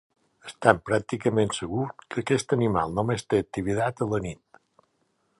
Estem pràcticament segurs que aquest animal només té activitat a la nit.